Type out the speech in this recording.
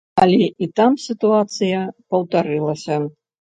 Але і там сітуацыя паўтарылася.